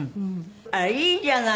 あらいいじゃない！